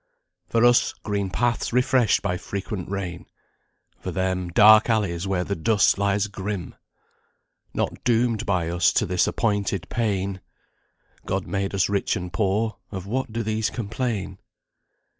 For us green paths refreshed by frequent rain, For them dark alleys where the dust lies grim! Not doomed by us to this appointed pain God made us rich and poor of what do these complain?"